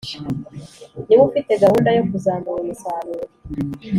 Niwe ufite gahunda yo kuzamura umusaruro